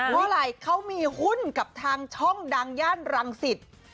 เพราะอะไรเขามีหุ้นกับทางช่องดังย่านรังสิต